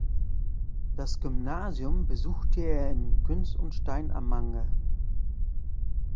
Das Gymnasium besuchte er in Güns und Steinamanger.